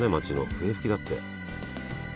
笛吹だって。